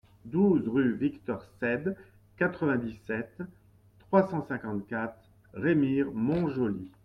douze rue Victor Ceide, quatre-vingt-dix-sept, trois cent cinquante-quatre, Remire-Montjoly